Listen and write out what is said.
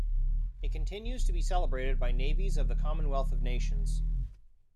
It continues to be celebrated by navies of the Commonwealth of Nations.